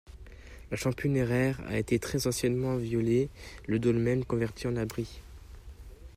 La chambre funéraire a été très anciennement violée, le dolmen converti en abri.